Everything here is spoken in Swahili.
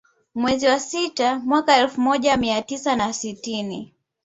Mwezi wa sita mwaka elfu moja mia tisa na sitini